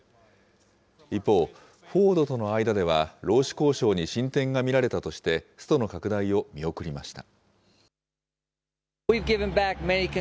一方、フォードとの間では労使交渉に進展が見られたとして、ストの拡大を見送りました。